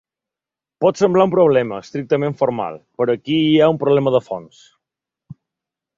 Pot semblar un problema estrictament formal, però aquí hi ha un problema de fons.